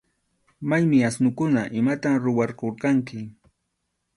¿Maymi asnukuna? ¿Imatam rurarqurqanki?